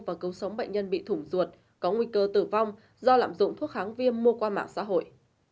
và cứu sống bệnh nhân bị thủng ruột có nguy cơ tử vong do lạm dụng thuốc kháng viêm mua qua mạng xã hội